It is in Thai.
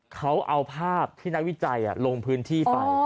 เขาเอาภาพที่นักวิจัยลงพื้นที่ไป